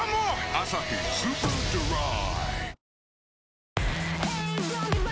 「アサヒスーパードライ」